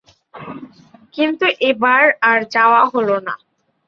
কিন্তু এবার আর যাওয়া হল না।